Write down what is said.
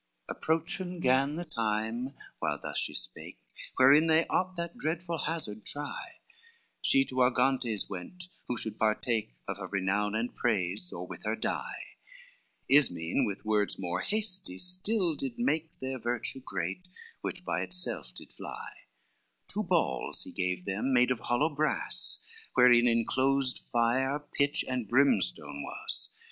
XLII Approachen gan the time, while thus she spake, Wherein they ought that dreadful hazard try; She to Argantes went, who should partake Of her renown and praise, or with her die. Ismen with words more hasty still did make Their virtue great, which by itself did fly, Two balls he gave them made of hollow brass, Wherein enclosed fire, pitch, and brimstone was.